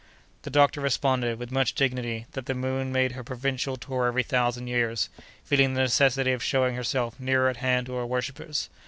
The doctor responded, with much dignity, that the moon made her provincial tour every thousand years, feeling the necessity of showing herself nearer at hand to her worshippers.